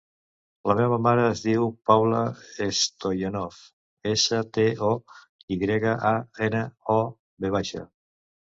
La meva mare es diu Paula Stoyanov: essa, te, o, i grega, a, ena, o, ve baixa.